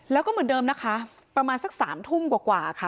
แล้วก็เหมือนเดิมนะคะประมาณสัก๓ทุ่มกว่าค่ะ